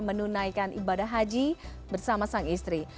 menunaikan ibadah haji bersama sang istri